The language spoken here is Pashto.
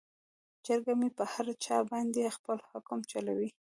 چرګه مې په هر چا باندې خپل حکم چلوي.